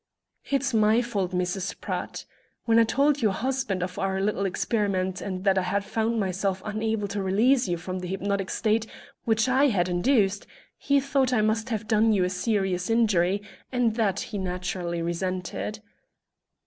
"It's my fault, Mrs. Pratt. When I told your husband of our little experiment and that I found myself unable to release you from the hypnotic state which I had induced he thought I must have done you a serious injury, and that he naturally resented."